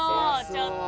ちょっと。